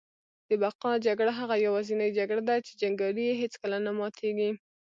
د بقا جګړه هغه یوازینۍ جګړه ده چي جنګیالي یې هیڅکله نه ماتیږي